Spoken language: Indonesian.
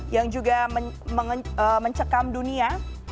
yang juga mencekam dunia